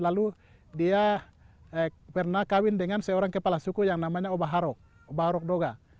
lalu dia pernah kawin dengan seorang kepala suku yang namanya obaharobarok doga